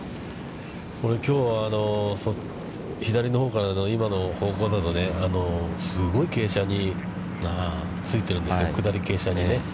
きょうは左のほうからの今の方向だと、すごい傾斜についてるんですよ、下り傾斜にね。